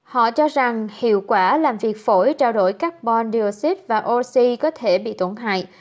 họ cho rằng hiệu quả làm việc phổi trao đổi carbon dioxid và oxy có thể bị tổn hại